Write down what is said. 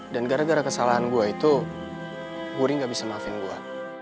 dan gara gara kesalahan gue itu wuri gak bisa maafin gue